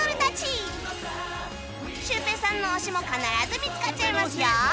シュウペイさんの推しも必ず見つかっちゃいますよ